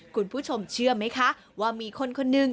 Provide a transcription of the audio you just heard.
คุณผู้ชมเชื่อไหมคะว่ามีคนคนหนึ่ง